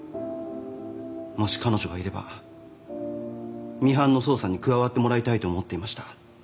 もし彼女がいればミハンの捜査に加わってもらいたいと思っていました。